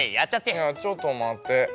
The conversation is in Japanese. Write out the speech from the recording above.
いやちょっとまって。